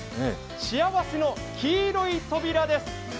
幸せの黄色い扉です。